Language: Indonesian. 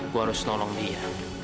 gue harus nolong dia